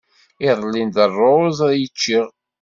Iḍelli d rruẓ ay ččiɣ.